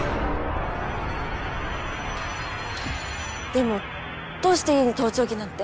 でもどうして家に盗聴器なんて？